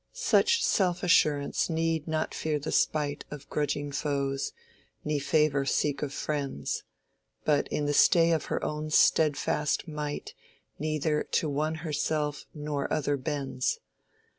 Such self assurance need not fear the spight Of grudging foes; ne favour seek of friends; But in the stay of her own stedfast might Neither to one herself nor other bends.